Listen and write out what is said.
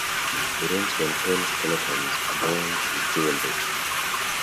The rooms contained skeletons adorned with jewelry.